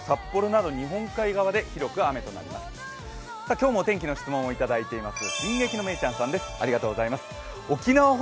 今日もお天気の質問をいただいています